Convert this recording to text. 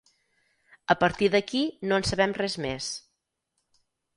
A partir d’aquí no en sabem res més.